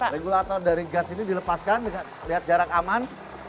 regulator dari gas ini dilepaskan dengan lihat jarak aman